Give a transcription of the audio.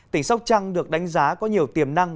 tỉnh sóc trăng được đánh giá có nhiều tiềm năng